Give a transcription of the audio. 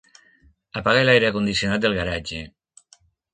Apaga l'aire condicionat del garatge.